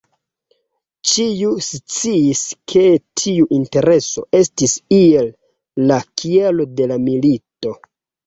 Ĉiu sciis ke tiu intereso estis iel la kialo de la milito".